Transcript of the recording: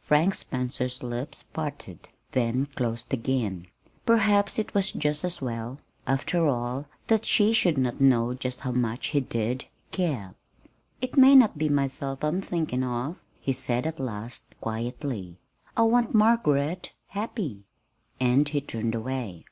Frank Spencer's lips parted, then closed again. Perhaps it was just as well, after all, that she should not know just how much he did care. "It may not be myself I'm thinking of," he said at last, quietly. "I want Margaret happy." And he turned away.